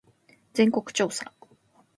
全国調査